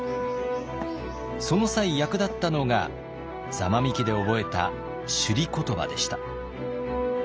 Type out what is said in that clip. その際役立ったのが座間味家で覚えた首里言葉でした。